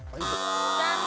残念！